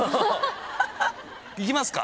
いきますか。